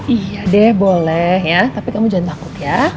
iya deh boleh ya tapi kamu jangan takut ya